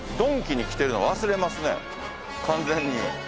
完全に。